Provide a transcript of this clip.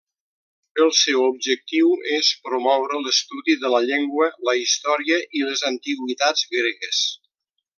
El seu objectiu és promoure l'estudi de la llengua, la història i les antiguitats gregues.